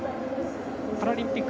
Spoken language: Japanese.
パラリンピック